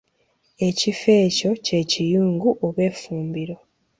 Ekifo ekyo kye Kiyungu oba Effumbiro.